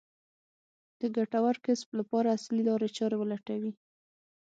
د ګټور کسب لپاره عصري لارې چارې ولټوي.